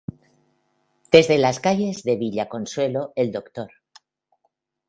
Desde las calles de Villa Consuelo el Dr.